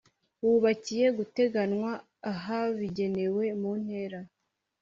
Wubakiye guteganywa ahabigenewe mu ntera